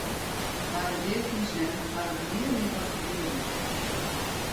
Nei de dea fan ús mem haw ik nea mear wat fan Berend heard.